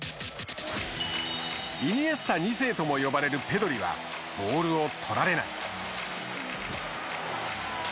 イニエスタ２世とも呼ばれるペドリは、ボールを取られない。